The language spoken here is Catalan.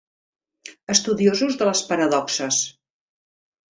Estudiosos de les paradoxes.